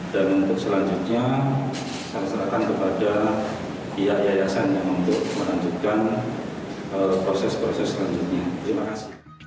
dan untuk selanjutnya saya serahkan kepada pihak keayasan untuk melanjutkan proses proses selanjutnya